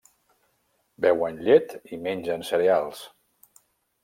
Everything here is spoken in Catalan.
Beuen llet i mengen cereals.